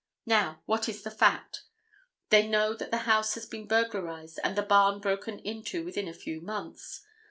Now, what is the fact? They know that the house has been burglarized and the barn broken into within a few months.